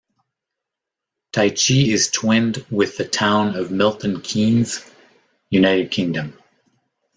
Tychy is twinned with the town of Milton Keynes, United Kingdom.